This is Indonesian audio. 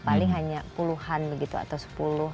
paling hanya puluhan begitu atau sepuluh